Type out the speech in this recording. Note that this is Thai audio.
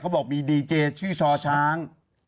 เขาบอกมีดีเจชี่ช่อช้าง